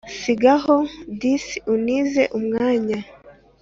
Sigaho disi untize umwanya